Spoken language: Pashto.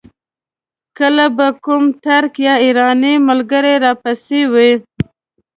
کله به کوم ترک یا ایراني ملګری را پسې و.